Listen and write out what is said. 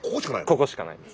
ここしかないです。